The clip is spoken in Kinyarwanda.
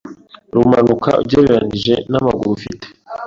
rumanuka ugereranije n'amagururufite